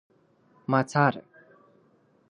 ما څاره